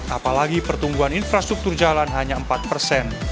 apalagi pertumbuhan infrastruktur jalan hanya empat persen